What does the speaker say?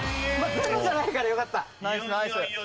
ゼロじゃないからよかった。